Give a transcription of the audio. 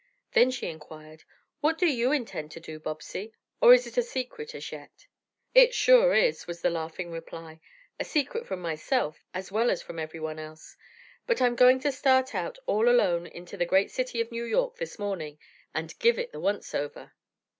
Then she inquired: "What do you intend to do, Bobsie, or is it a secret as yet?" "It sure is," was the laughing reply, "a secret from myself, as well as from everyone else, but I'm going to start out all alone into the great city of New York this morning and give it the once over."